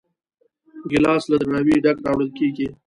ګیلاس له درناوي ډک راوړل کېږي.